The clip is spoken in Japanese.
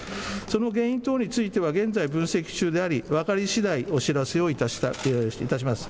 その原因等については、現在、分析中であり、分かりしだいお知らせをいたします。